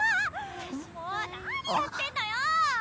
もう何やってんのよ！